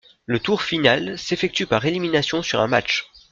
Le tour final s'effectue par élimination sur un match.